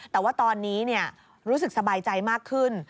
แต่ว่าตอนนี้รู้สึกสบายใจมากขึ้น